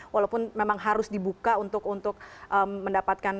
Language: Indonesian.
walaupun memang harus dibuka untuk mendapatkan